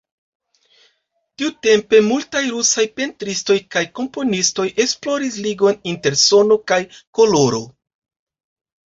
Tiutempe multaj rusaj pentristoj kaj komponistoj esploris ligon inter sono kaj koloro.